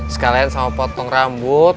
sekalian sama potong rambut